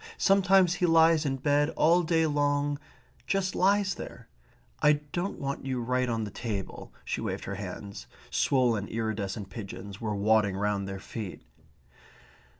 Sometimes he lies in bed all day long just lies there.... I don't want you right on the table"; she waved her hands. Swollen iridescent pigeons were waddling round their feet.